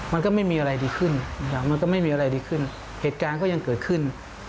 มันก็ไม่มีอะไรดีขึ้นเหตุการณ์ก็ยังเกิดขึ้น